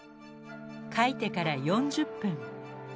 書いてから４０分。